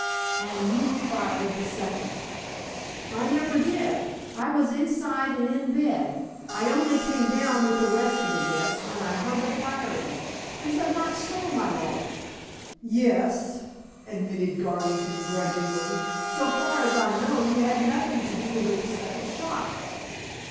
"And you fired the second." "I never did. I was inside and in bed. I only came down with the rest of the guests when I heard the firing. Is that not so, my lord?" "Yes," admitted Garvington grudgingly. "So far as I know you had nothing to do with the second shot."